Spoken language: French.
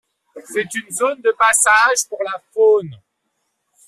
C'est une zone de passage pour la faune.